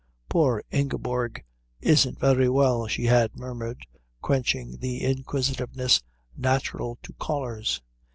"Poor Ingeborg isn't very well," she had murmured, quenching the inquisitiveness natural to callers.